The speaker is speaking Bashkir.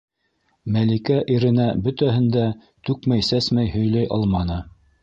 Мәликә иренә бөтәһен дә түкмәй-сәсмәй һөйләй алманы.